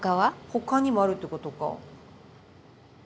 ほかにもあるっていうことか。